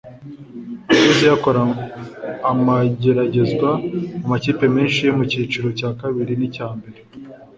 agezeyo akora amageragezwa mu makipe menshi yo mu cyiciro cya kabiri n’icya mbere